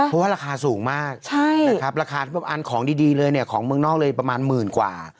เพราะราคาสูงมากนะครับราคามันของดีเลยเนี่ยของเมืองนอกเลยประมาณ๑๐บาท